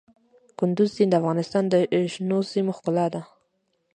کندز سیند د افغانستان د شنو سیمو ښکلا ده.